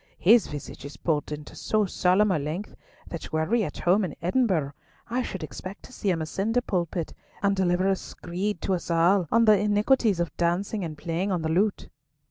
His visage is pulled into so solemn a length that were we at home in Edinburgh, I should expect to see him ascend a pulpit, and deliver a screed to us all on the iniquities of dancing and playing on the lute!"